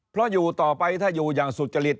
เพราะอยู่ต่อไปถ้าอยู่อย่างสุจริต